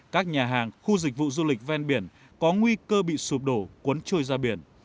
các nhà hàng khu dịch vụ du lịch ven biển có nguy cơ bị sụp đổ cuốn trôi ra biển